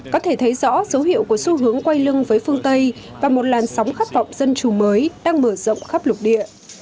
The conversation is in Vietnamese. có thể thấy rõ dấu hiệu của xu hướng quay lưng với phương tây và một làn sóng khát vọng dân chủ mới đang mở rộng khắp lục địa